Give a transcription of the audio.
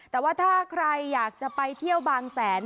แต่ว่าถ้าใครอยากจะไปเที่ยวบางแสน